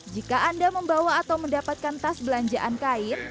jika anda membawa atau mendapatkan tas belanjaan kain